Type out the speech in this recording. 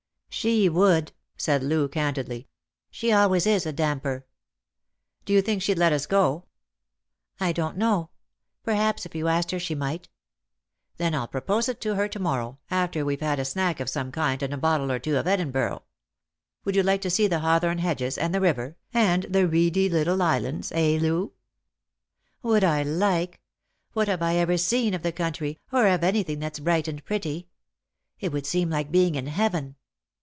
" She would,'' said Loo candidly. " She always is a damper." " Do you think she'd let us go ?"" I don't know. Perhaps if you asked her she might." "Then I'll propose it to her to morrow, after we've had a snack of some kind and a bottle or two of Edinburgh. Would you like to see the hawthorn hedges, and the river, and the reedy little islands, eh, Loo P "" Would I like ! What have I ever seen of the country, or of anything that's bright and pretty ? It would seem like being in heaven.